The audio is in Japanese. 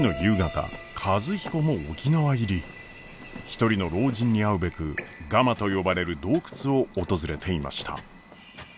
一人の老人に会うべくガマと呼ばれる洞窟を訪れていました。